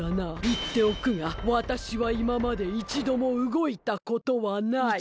いっておくがわたしはいままでいちどもうごいたことはない。